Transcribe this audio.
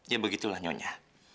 ya begitulah nyonya